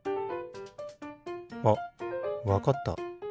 あっわかった。